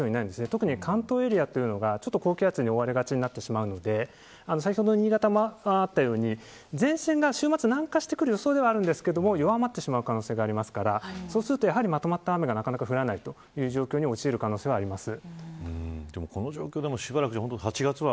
特に、関東エリアというのが高気圧に覆われがちになってしまうので先ほど新潟でもあったように前線が週末に南下してくる予想はあるんですが弱まってしまう可能性があるのでそうするとまとまった雨がなかなか降らない状況に陥る可能性はあります。